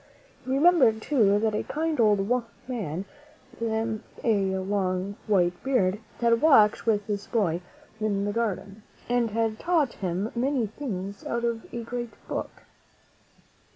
He remembered, too, that a kind old man, with a long white beard, had walked with this boy in the garden, and had taught him many things out of a great book.